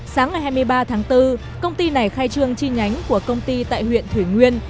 sáng ngày hai mươi ba tháng bốn công ty này khai trương chi nhánh của công ty tại huyện thủy nguyên